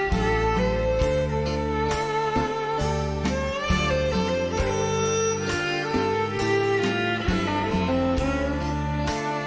ขอบคุณครับ